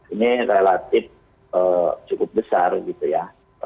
ini relatif cukup besar gitu ya